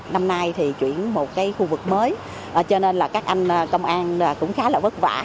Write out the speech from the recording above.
năm nay chuyển một khu vực mới cho nên các anh công an cũng khá là vất vả